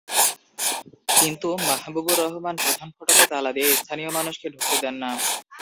কিন্তু মাহবুবুর রহমান প্রধান ফটকে তালা দিয়ে স্থানীয় মানুষকে ঢুকতে দেন না।